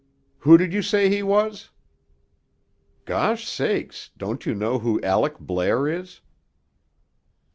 "Who did you say he was?" "Gosh sakes! Don't you know who Aleck Blair is?"